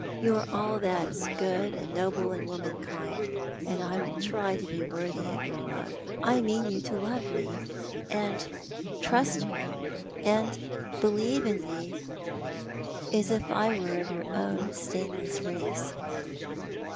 You are all that is good and noble in womankind, and I will try to bo worthy of your love. I mean you to love me— and trust me— and believe in mo as if I were of yonr own stainless race."